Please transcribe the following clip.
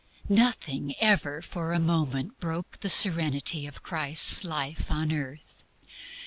Nothing ever for a moment broke the serenity of Christ's life on earth.